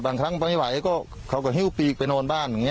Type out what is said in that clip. บางครั้งผมไม่ไหวเขาก็หิวปีกไปโน้นบ้าน